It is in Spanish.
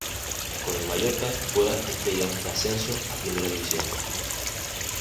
Con el Mallorca juega el Play-Off de ascenso a primera división.